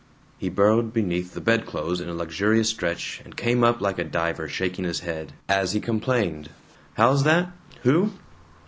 He burrowed beneath the bedclothes in a luxurious stretch, and came up like a diver, shaking his head, as he complained, "How's that? Who?